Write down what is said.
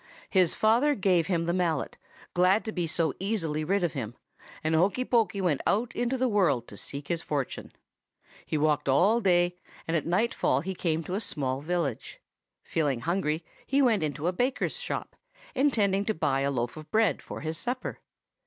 "His father gave him the mallet, glad to be so easily rid of him, and Hokey Pokey went out into the world to seek his fortune. He walked all day, and at nightfall he came to a small village. Feeling hungry, he went into a baker's shop, intending to buy a loaf of bread for his supper.